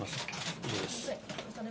以上です。